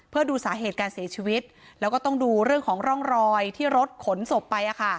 เพื่อดูสาเหตุการเสียชีวิตแล้วก็ต้องดูเรื่องของร่องรอยที่รถขนศพไป